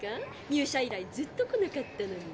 入社以来ずっと来なかったのに。